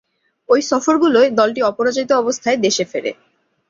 ঐ সফরগুলোয় দলটি অপরাজিত অবস্থায় দেশে ফেরে।